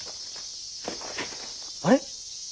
あれ！？